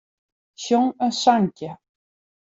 Sjong in sankje.